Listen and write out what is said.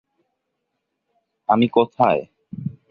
আমি কোথায়।